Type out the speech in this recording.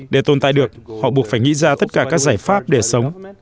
để tồn tại được họ buộc phải nghĩ ra tất cả các giải pháp để sống